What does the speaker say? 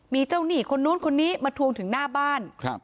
มีเจ้าหนี้คนนู้นคนนี้มาทวงถึงหน้าบ้าน